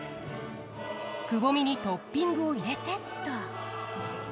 くぼみにトッピングを入れてっと。